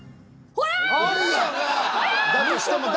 ほら！